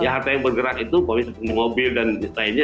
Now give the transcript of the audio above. harta yang bergerak itu polisi mobil dan lainnya